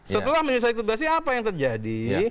setelah menyelesaikan tugasnya apa yang terjadi